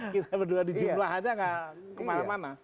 kita berdua di jumlah aja nggak kemana mana